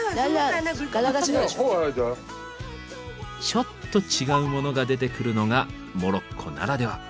ちょっと違うモノが出てくるのがモロッコならでは。